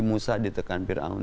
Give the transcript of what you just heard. musa ditekan fir'aun